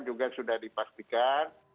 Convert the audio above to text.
juga sudah dipastikan